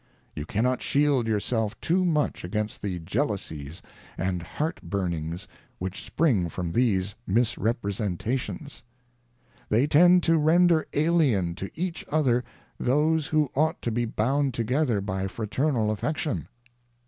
ŌĆö You cannot shield yourselves too much against the jealousies and heart burn ings which spring from these misrepresenta tions ; ŌĆö They tend to render alien to each other those who ought to be bound together by fraternal affection.